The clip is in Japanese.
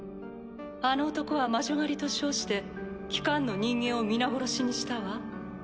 あの男は魔女狩りと称して機関の人間を皆殺しにしたわ。